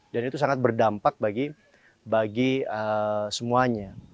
dan itu sangat berdampak bagi bagi semuanya